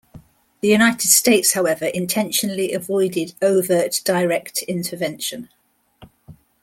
The United States, however, intentionally avoided overt direct intervention.